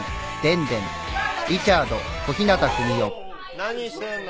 何してんの？